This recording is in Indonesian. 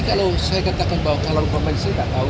menurut saya kan tepat sebagian dari yang berlaku